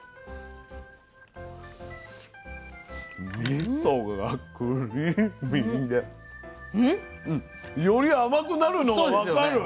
みそがクリーミーでより甘くなるのが分かる。